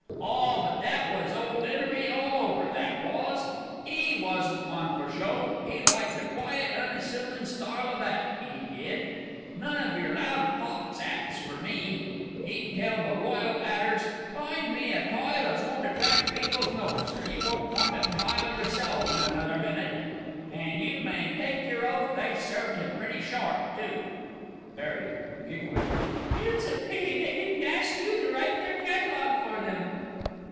Ah, but that was ole 'Enery all over, that was; he wasn't one for show. He liked a quiet, unassumin' style of 'at, he did. "None of yer loud pot 'ats for Me!" he'd tell the Royal 'atters; "find me a tile as won't attract people's notice, or you won't want a tile yerselves in another minute!" An' you may take yer oath they served him pretty sharp, too! 'ARRIET. It's a pity they didn't ask you to write their Catalogue for 'em.